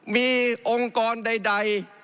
มีองค์กรใด